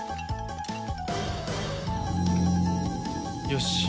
よし。